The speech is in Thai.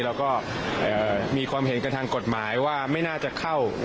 แล้วก็มีความเห็นกันทางกฎหมายว่าไม่น่าจะเข้า